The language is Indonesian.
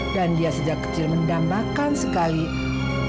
dan dia juga sejak kecil mendambakan sekali orang yang berpeluh